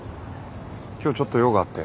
今日ちょっと用があって。